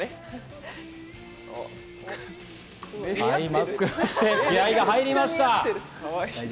アイマスクして気合も入りました。